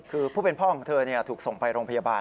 คือผู้เป็นพ่อของเธอถูกส่งไปโรงพยาบาล